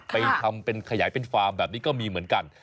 ไปทำเป็นขยายเป็นฟาร์มแบบนี้ก็มีเหมือนกัน